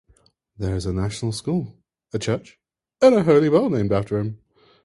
There is a national school, a church and a holy well named after him.